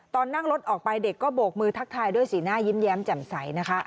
ตอนนั่งรถออกไปเด็กก็โบกมือทักทายด้วยสีหน้ายิ้มแย้มแจ่มใสนะคะ